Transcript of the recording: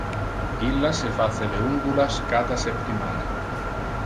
Illa se face le ungulas cata septimana.